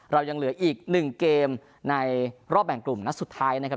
เรายังเหลืออีก๑เกมในรอบแบ่งกลุ่มนัดสุดท้ายนะครับ